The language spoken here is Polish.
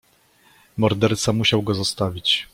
"Morderca musiał go zostawić."